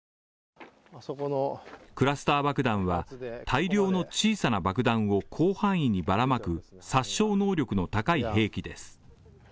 クラスター爆弾は大量の小さな爆弾を広範囲にばらまく殺傷能力の高い兵器です。